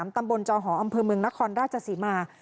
ตำบลจอหออำเภอเมืองนครราชศรีมา